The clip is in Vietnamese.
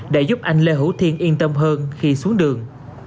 để giúp anh lê hữu thiên yên tâm hơn khi xuống đường